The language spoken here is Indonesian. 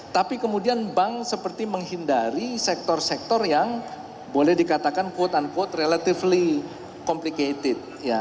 tapi kemudian bank seperti menghindari sektor sektor yang boleh dikatakan quote unquote relatively complicated